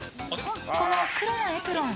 この黒のエプロン